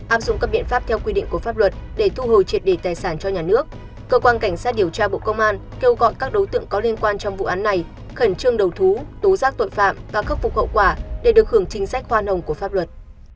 áp dụng các biện pháp theo quy định của pháp luật để thu hồi triệt đề tài sản cho nhà nước cơ quan cảnh sát điều tra bộ công an kêu gọi các đối tượng có liên quan trong vụ án này khẩn trương đầu thú tố giác tội phạm và khắc phục hậu quả để được hưởng chính sách khoa hồng của pháp luật